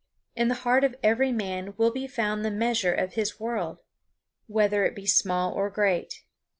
In the heart of every man will be found the measure of his world, whether it be small or great.